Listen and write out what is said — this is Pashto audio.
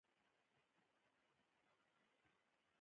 منی د افغانانو د فرهنګي پیژندنې برخه ده.